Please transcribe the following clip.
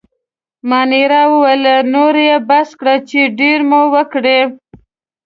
مانیرا وویل: نور يې بس کړئ، چې ډېرې مو وکړې.